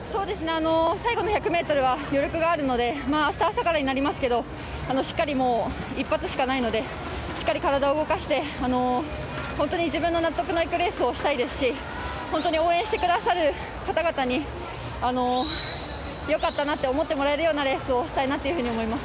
最後の１００ｍは余力があるので明日、朝からになりますけど一発しかないのでしっかり体を動かして本当に自分の納得いくレースをしたいですし本当に応援してくださる方々に良かったなと思ってもらえるようなレースをしたいなと思います。